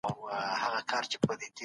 دوی به ستاسو دعا کوي.